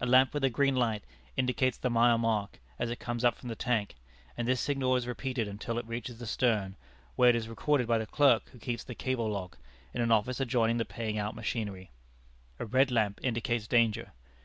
A lamp with a green light indicates the mile mark as it comes up from the tank, and this signal is repeated until it reaches the stern, where it is recorded by the clerk who keeps the cable log, in an office adjoining the paying out machinery. A red lamp indicates danger.